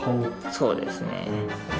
そうですね。